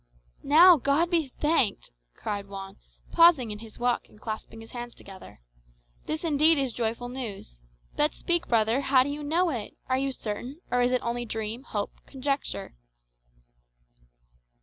"Now, God be thanked!" cried Juan, pausing in his walk and clasping his hands together. "This indeed is joyful news. But speak, brother; how do you know it? Are you certain, or is it only dream, hope, conjecture?"